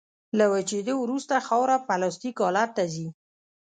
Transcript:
له وچېدو وروسته خاوره پلاستیک حالت ته ځي